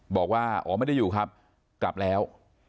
บอกว่าอ๋อไม่ได้อยู่ครับกลับแล้ว